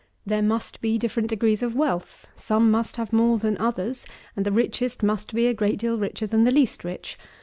There must be different degrees of wealth; some must have more than others; and the richest must be a great deal richer than the least rich.